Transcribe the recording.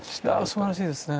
すばらしいですね